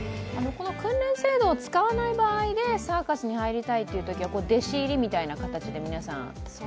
訓練制度を使わない場合でサーカスに入りたい方は弟子入りみたいな形で皆さん、門をたたくんですか？